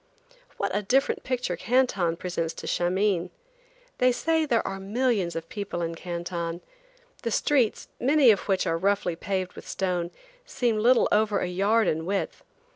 What a different picture Canton presents to Shameen. They say there are millions of people in Canton. The streets, many of which are roughly paved with stone, seem little over a yard in width.